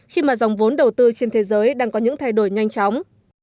khi mà dòng vốn đầu tư trên thế giới đang có những thay đổi nhanh chóng